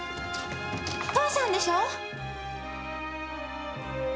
父さんでしょう！